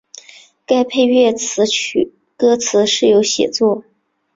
该配乐歌词是由写作。